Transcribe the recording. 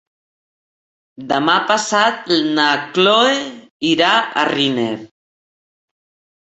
Demà passat na Cloè irà a Riner.